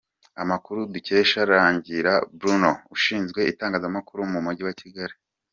Amakuru dukesha Rangira Bruno Ushinzwe itangazamakuru mu Mujyi wa Kigali.